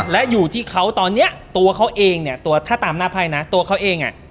และอยู่ที่เขาตอนเนี้ยตัวเขาเองเนี่ยตัวถ้าตามหน้าไพ่นะตัวเขาเองอ่ะ